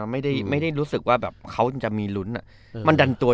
ไม่ได้รู้สึกว่าเขาจะมีลุ้น